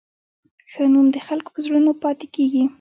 ښه نوم د خلکو په زړونو پاتې کېږي.